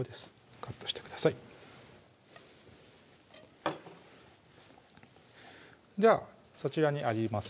カットしてくださいではそちらにあります